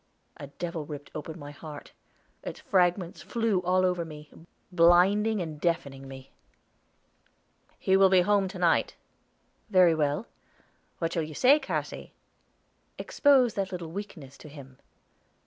A devil ripped open my heart; its fragments flew all over me, blinding and deafening me. "He will be home to night." "Very well." "What shall you say, Cassy?" "Expose that little weakness to him."